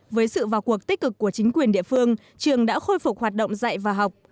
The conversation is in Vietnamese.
với sự vào cuộc tích cực của chính quyền địa phương trường đã khôi phục hoạt động dạy và học